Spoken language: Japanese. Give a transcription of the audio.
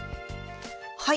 はい。